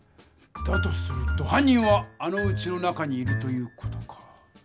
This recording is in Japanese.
だとするとはん人はあのうちの中にいるという事か。